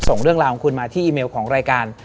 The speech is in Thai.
ส่งเรื่องราวของคุณมาที่อีเมลของรายการ